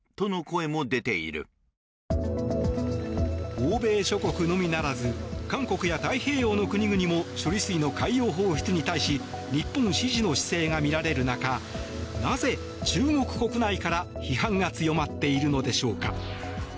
欧米諸国のみならず韓国や太平洋の国々も処理水の海洋放出に対し日本支持の姿勢がみられる中なぜ中国国内から、批判が強まっているのでしょうか。